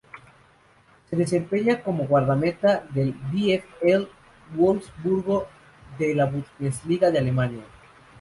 Se desempeña como guardameta en el VfL Wolfsburgo de la Bundesliga de Alemania.